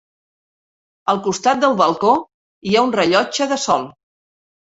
Al costat del balcó hi ha un rellotge de sol.